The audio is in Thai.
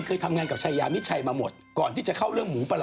เดี๋ยวมาดูกันจริงช่วงหน้าช่วงหน้าคุณผู้ชม